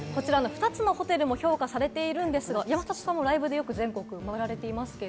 ２つのホテルも評価されていますが、山里さんもよくライブで全国回られていますけれど。